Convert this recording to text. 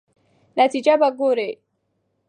نتیجه به ګورئ.